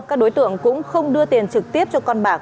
các đối tượng cũng không đưa tiền trực tiếp cho con bạc